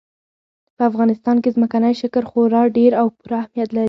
په افغانستان کې ځمکنی شکل خورا ډېر او پوره اهمیت لري.